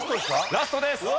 ラストです。